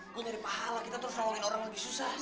gue nyari pahala kita terus ngomongin orang lebih susah